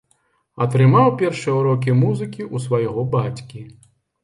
Атрымаў першыя ўрокі музыкі ў свайго бацькі.